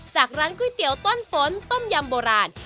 จากร้านก๋วยเตี๋ยวต้นฝนต้มยำโบราณ